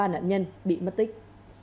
ba nạn nhân bị mất tích